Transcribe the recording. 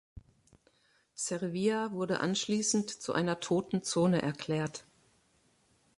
Servia wurde anschließend zu einer „toten Zone“ erklärt.